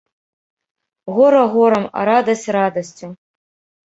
Гора горам, а радасць радасцю.